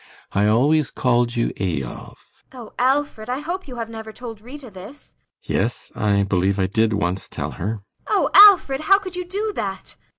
I always called you Eyolf. ASTA. Oh, Alfred, I hope you have never told Rita this? ALLMERS. Yes, I believe I did once tell her. ASTA. Oh, Alfred, how could you do that?